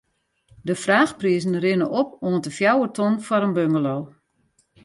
De fraachprizen rinne op oant de fjouwer ton foar in bungalow.